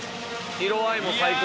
色合いも最高だし。